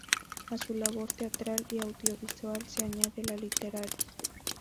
A su labor teatral y audiovisual se añade la literaria.